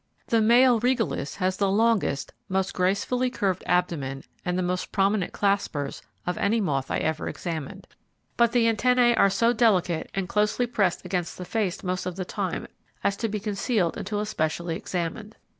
The male Regalis has the longest, most gracefully curved abdomen and the most prominent claspers of any moth I ever examined; but the antennae are so delicate and closely pressed against the face most of the time as to be concealed until especially examined.